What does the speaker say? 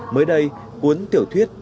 mới đây cuốn tiểu thuyết